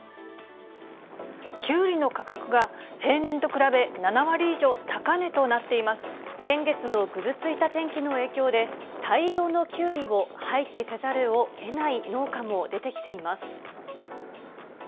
きゅうりの価格が平年と比べ先月のぐずついた天気の影響で、大量のきゅうりを廃棄せざるをえない農家も出てきています。